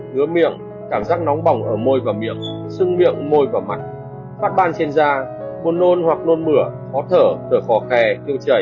ngứa miệng cảm giác nóng bỏng ở môi và miệng xưng miệng môi và mặt phát ban trên da buồn nôn hoặc nôn mửa khó thở thở khó kè kêu chảy